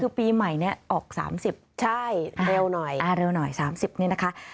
คือปีใหม่นี้ออก๓๐คือเร็วหน่อย๓๐นี่นะคะ